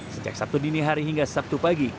sejak sabtu dini hari hingga sabtu pagi